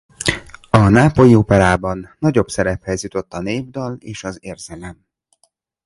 A nápolyi operában nagyobb szerephez jutott a népdal és az érzelem.